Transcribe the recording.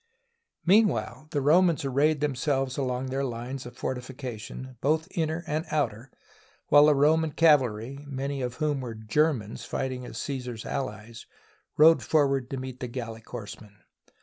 Meanwhile the Romans arrayed themselves along their lines of fortifications, both inner and outer, while the Roman cavalry, many of whom were Germans fighting as Caesar's allies, rode for ward to meet the Gallic horsemen.